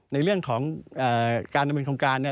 ในเรื่องของการดำเนินโครงการ